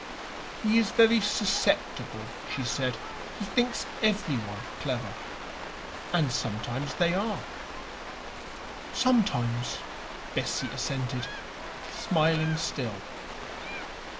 "He is very susceptible," she said. "He thinks everyone clever, and sometimes they are." "Sometimes," Bessie assented, smiling still.